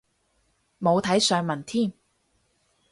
冇睇上文添